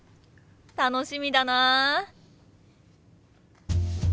楽しみだな！